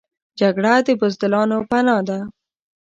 جګړه د بزدلانو پناه ده